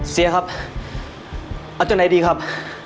เสียครับเอาตรงไหนดีครับ